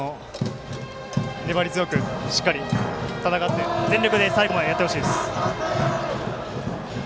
粘り強くしっかり戦って全力で最後までやってほしいです。